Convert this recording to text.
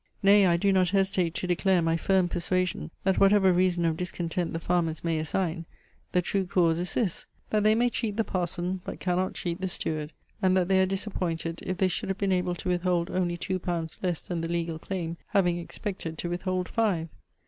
Nay, I do not hesitate to declare my firm persuasion, that whatever reason of discontent the farmers may assign, the true cause is this; that they may cheat the parson, but cannot cheat the steward; and that they are disappointed, if they should have been able to withhold only two pounds less than the legal claim, having expected to withhold five.